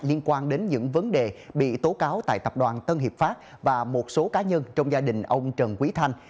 liên quan đến những vấn đề bị tố cáo tại tập đoàn tân hiệp pháp và một số cá nhân trong gia đình ông trần quý thanh